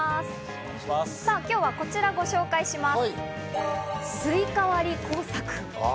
今日はこちらをご紹介します。